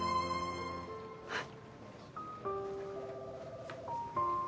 はい。